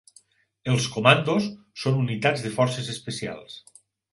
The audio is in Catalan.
Els comandos són unitats de forces especials.